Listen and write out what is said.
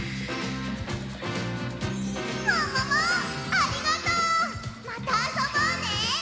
ありがとう！またあそぼうね！